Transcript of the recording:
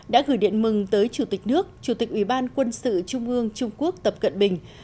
đã gửi điện mừng tới chủ tịch nước chủ tịch ủy ban quân sự trung ương trung quốc tập cận bình